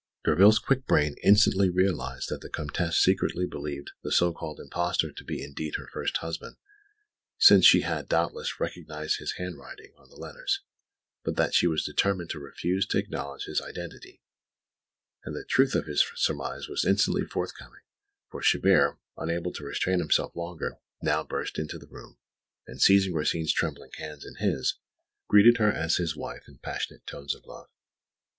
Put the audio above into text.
Derville's quick brain instantly realised that the Comtesse secretly believed the so called impostor to be indeed her first husband, since she had, doubtless, recognised his handwriting on the letters, but that she was determined to refuse to acknowledge his identity; and the truth of his surmise was instantly forthcoming, for Chabert, unable to restrain himself longer, now burst into the room, and seizing Rosine's trembling hands in his, greeted her as his wife in passionate tones of love.